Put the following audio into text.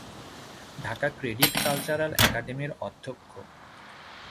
Dhaka credit cultural একাডেমির অধ্যক্ষ।